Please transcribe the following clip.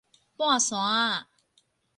半山仔